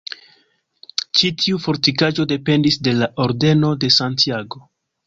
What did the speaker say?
Ĉi tiu fortikaĵo dependis de la Ordeno de Santiago.